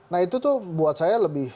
nah itu tuh buat saya lebih